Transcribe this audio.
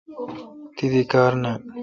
تی دی کار نان۔